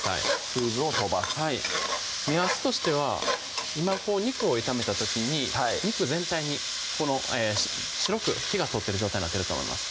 水分を飛ばす目安としては今こう肉を炒めた時に肉全体に白く火が通ってる状態になってると思います